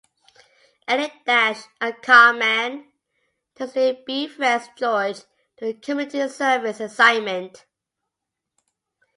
Eddie Dash, a con man, tenuously befriends George due to a community service assignment.